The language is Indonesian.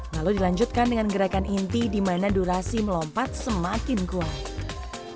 lalu dilanjutkan dengan gerakan inti di mana durasi melompat semakin kuat